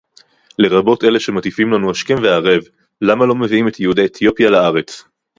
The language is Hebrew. לרבות אלה שמטיפים לנו השכם והערב למה לא מביאים את יהודי אתיופיה לארץ